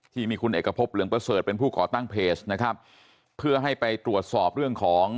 ที่มีคุณเอกพบเหลืองประเสริฐเป็นผู้ก่อตั้งเพจนะครับเพื่อให้ไปตรวจสอบเรื่องของ